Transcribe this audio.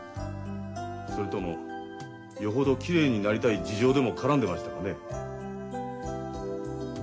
それともよほどきれいになりたい事情でも絡んでましたかね。